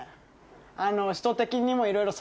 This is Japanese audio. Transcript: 人的にもいろいろ。